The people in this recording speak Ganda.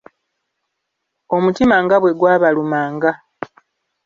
Omutima nga bwe gwabalumanga.